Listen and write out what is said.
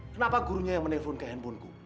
kenapa gurunya yang menelpon ke handphone ku